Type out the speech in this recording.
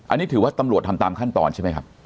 อันนี้ถือว่าตำรวจทำตามขั้นตอนใช่ไหมครับ